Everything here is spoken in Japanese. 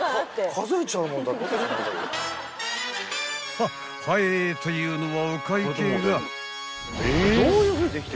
［は早えというのはお会計が］